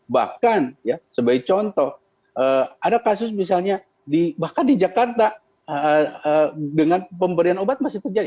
bahkan ya sebagai contoh ada kasus misalnya bahkan di jakarta dengan pemberian obat masih terjadi